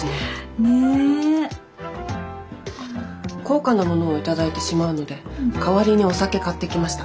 高価なものを頂いてしまうので代わりにお酒買ってきました。